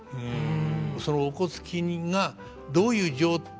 そのおこつきがどういう状態